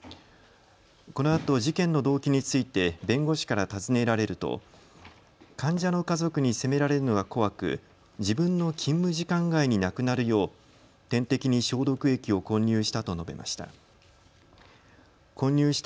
このあと事件の動機について弁護士から尋ねられると患者の家族に責められるのが怖く自分の勤務時間外に亡くなるよう点滴に消毒液を混入したと述べました。